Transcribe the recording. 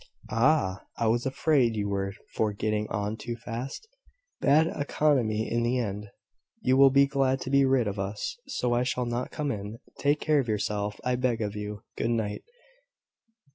Ah! I was afraid you were for getting on too fast. Bad economy in the end. You will be glad to be rid of us: so I shall not come in. Take care of yourself, I beg of you. Good night."